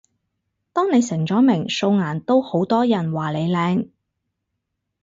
當你成咗名，素顏都好多人話你靚